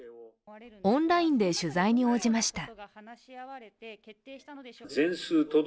オンラインで取材に応じました。